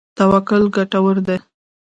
توکل ګټور دی.